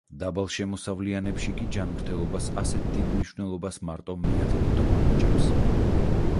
დაბალ შემოსავლიანებში კი ჯანმრთელობას ასეთ დიდ მნიშვნელობას მარტო მეათედი თუ ანიჭებს.